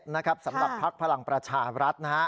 ๓๗นะครับสำหรับพลักษณะพลังประชารัฐนะคะ